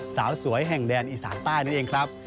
สาวสวยแห่งแดนอีสานใต้นั่นเองครับ